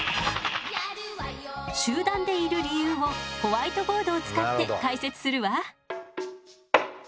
集団でいる理由をホワイトボードを使って解説するわ。